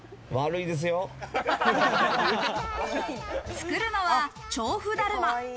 作るのは、ちょう布だるま。